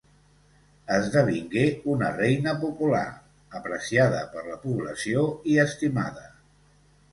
Esdevingué una reina popular, apreciada per la població i estimada.